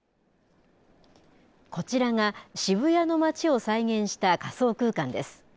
こちらが、渋谷の街を再現した仮想空間です。